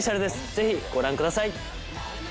ぜひご覧ください。